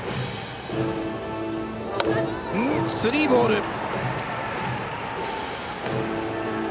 スリーボール。